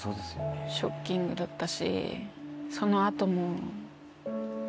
ショッキングだったしその後も。